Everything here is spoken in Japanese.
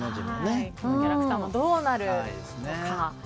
このキャラクターもどうなるのか。